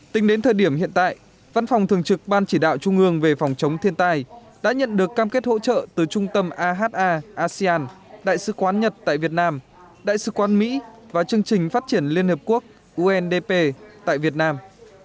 tính đến thời điểm hiện tại văn phòng thường trực ban chỉ đạo trung ương về phòng chống thiên tai đã nhận được cam kết hỗ trợ từ trung tâm aha asean đại sứ quán nhật tại việt nam đại sứ quán mỹ và chương trình phát triển liên hợp quốc undp tại việt nam